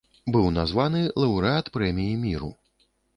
Быў названы лаўрэат прэміі міру.